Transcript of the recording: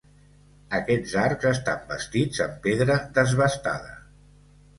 Aquests arcs estan bastits en pedra desbastada.